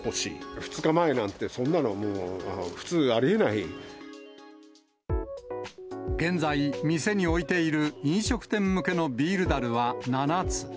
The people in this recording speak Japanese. ２日前なんて、そんなの、現在、店に置いている飲食店向けのビールだるは７つ。